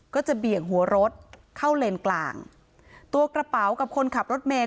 เบี่ยงหัวรถเข้าเลนกลางตัวกระเป๋ากับคนขับรถเมย